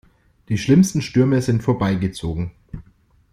Die schlimmsten Stürme sind vorbei gezogen.